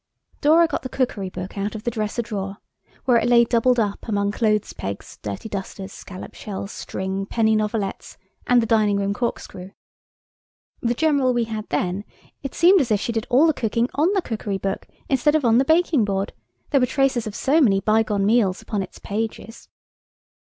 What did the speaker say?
Dora got the cookery book out of the dresser drawer, where it lay doubled up among clothes pegs, dirty dusters, scallop shells, string, penny novelettes, and the dining room corkscrew. The general we had then–it seemed as if she did all the cooking on the cookery book instead of on the baking board, there were traces of so many bygone meals upon its pages.